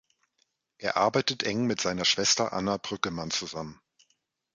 Er arbeitet eng mit seiner Schwester Anna Brüggemann zusammen.